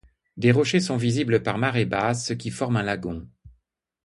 Des rochers sont visibles par marrée basse ce qui forme un lagon.